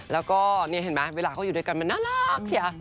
แล้วก็นี่เห็นไหมเวลาเขาอยู่ด้วยกันมันน่ารักเชีย